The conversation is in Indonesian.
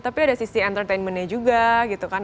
tapi ada sisi entertainmentnya juga gitu kan